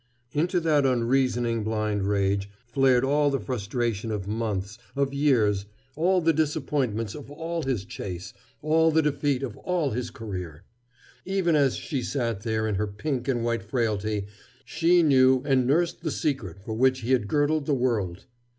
Into that unreasoning blind rage flared all the frustration of months, of years, all the disappointments of all his chase, all the defeat of all his career. Even as she sat there in her pink and white frailty she knew and nursed the secret for which he had girdled the world.